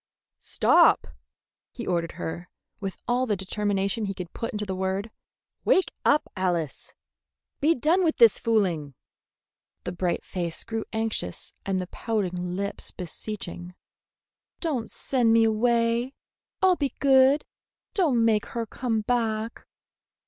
"Stop!" he ordered her, with all the determination he could put into the word. "Wake up, Alice! Be done with this fooling!" The bright face grew anxious and the pouting lips beseeching. "Don't send me away! I'll be good! Don't make her come back!"